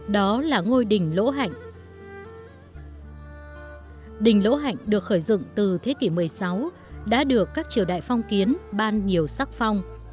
đình lỗ hạnh được khởi dựng từ thế kỷ một mươi sáu đã được các triều đại phong kiến ban nhiều sắc phong